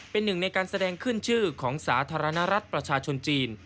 เป็นหนึ่งในการแสดงขึ้นชื่อของสาธารณรัฐประชาชนจีน